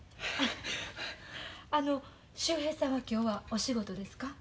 あの秀平さんは今日はお仕事ですか？